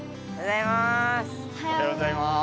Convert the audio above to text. おはようございます。